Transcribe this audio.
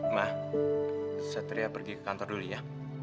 ma saya teriak pergi ke kantor dulu ya